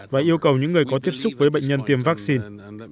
và yêu cầu những người có tiếp xúc với bệnh nhân tiêm vaccine